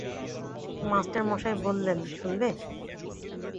মাস্টারমশায় বললেন, শুনবে?